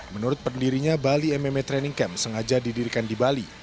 menurut pendirinya bali mma training camp sengaja didirikan di bali